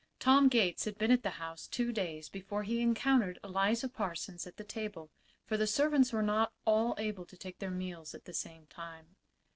Tom Gates had been at the house two days before he encountered Eliza Parsons at the table, for the servants were not all able to take their meals at the same time.